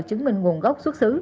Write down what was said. chứng minh nguồn gốc xuất xứ